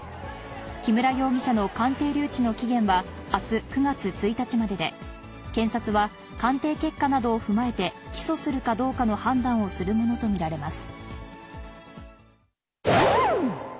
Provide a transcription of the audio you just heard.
木村容疑者の鑑定留置の期限はあす９月１日までで、検察は、鑑定結果などを踏まえて、起訴するかどうかの判断をするものと見られます。